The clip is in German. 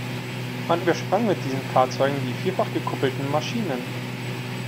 Man übersprang mit diesen Fahrzeugen die vierfach gekuppelten Maschinen.